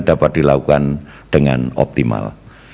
dapat dilakukan dengan optimal